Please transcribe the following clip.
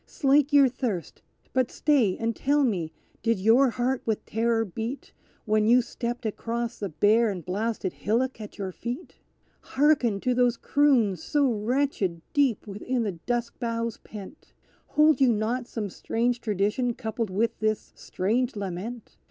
Slake your thirst, but stay and tell me: did your heart with terror beat, When you stepped across the bare and blasted hillock at your feet? Hearken to these croons so wretched deep within the dusk boughs pent! Hold you not some strange tradition coupled with this strange lament?